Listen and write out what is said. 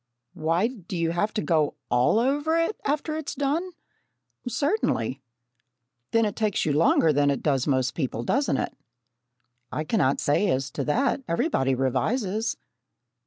"Why, do you have to go all over it, after it is done?" "Certainly." "Then it takes you longer than it does most people, doesn't it?" "I cannot say as to that. Everybody revises."